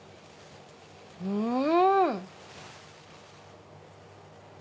うん！